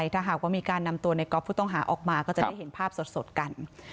ถ้าหากว่ามีการนำตัวในก๊อฟผู้ต้องหาออกมาก็จะได้เห็นภาพสดกัน